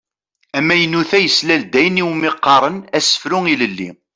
Amaynut-a yeslal-d ayen i wumi qqaren asefru ilelli.